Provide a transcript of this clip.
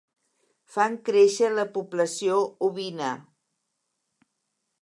Fan créixer la població ovina.